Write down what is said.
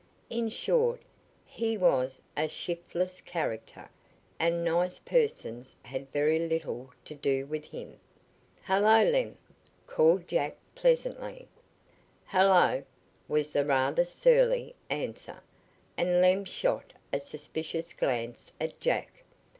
In short, he was a "shiftless" character, and nice persons had very little to do with him. "Hello, Lem!" called Jack pleasantly. "Hello," was the rather surly answer, and Lem shot a suspicious glance at Jack.